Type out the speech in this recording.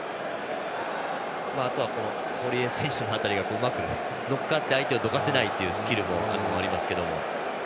あとは、堀江選手の辺りがうまく乗っかって相手をどかせないというスキルもありますけれども。